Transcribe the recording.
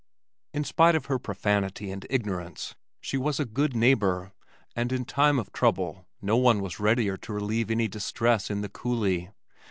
In spite of her profanity and ignorance she was a good neighbor and in time of trouble no one was readier to relieve any distress in the coulee.